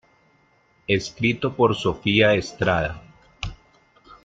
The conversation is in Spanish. Escrito por sofia estrada